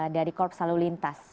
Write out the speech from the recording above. dari korps salur lintas